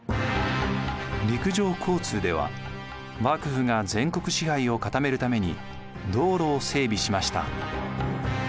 陸上交通では幕府が全国支配を固めるために道路を整備しました。